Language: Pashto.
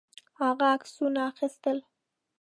هغه عکسونه اخیستل.